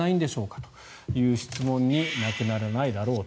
という質問になくならないだろうと。